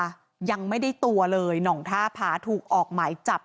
ปี๖๕วันเกิดปี๖๔ไปร่วมงานเช่นเดียวกัน